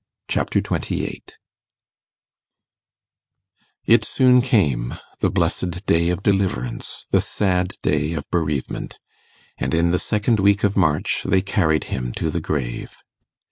Chapter 28 It soon came the blessed day of deliverance, the sad day of bereavement; and in the second week of March they carried him to the grave.